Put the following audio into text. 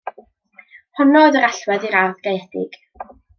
Honno oedd yr allwedd i'r ardd gaeedig.